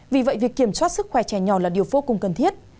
vì vậy việc kiểm soát sức khỏe trẻ nhỏ là điều vô cùng cần thiết